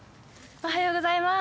おはようございます。